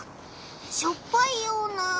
しょっぱいような。